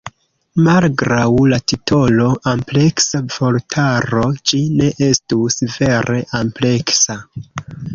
Malgraŭ la titolo "ampleksa vortaro" ĝi ne estus vere ampleksa.